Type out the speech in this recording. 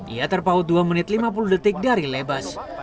ia terpaut dua menit lima puluh detik dari lebas